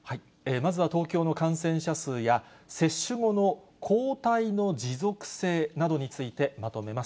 まずは東京の感染者数や、接種後の抗体の持続性などについて、まとめます。